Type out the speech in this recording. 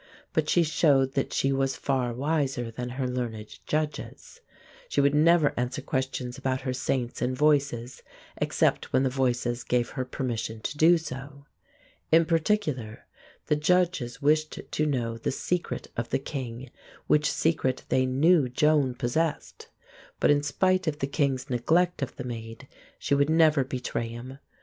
But she showed that she was far wiser than her learned judges. She would never answer questions about her Saints and Voices except when the Voices gave her permission to do so. In particular the judges wished to know the secret of the king, which secret they knew Joan possessed. But in spite of the king's neglect of the Maid, she would never betray him.